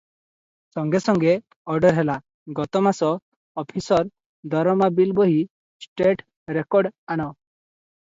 ସଙ୍ଗେ ସଙ୍ଗେ ଅଡର୍ ହେଲା- ଗତ ମାସ ଅଫିସର ଦରମା ବିଲ ବହି- ଷ୍ଟେଟ ରୋକଡ୍ ଆଣ?